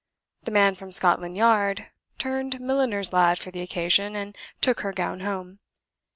The man from Scotland Yard turned milliner's lad for the occasion, and took her gown home.